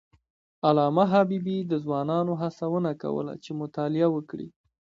علامه حبیبي د ځوانانو هڅونه کوله چې مطالعه وکړي.